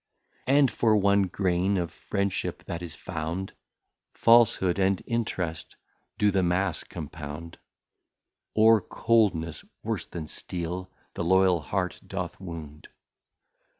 And for one Grain of Friendship that is found, } Falshood and Interest do the Mass compound, } Or coldness, worse than Steel, the Loyal heart doth wound.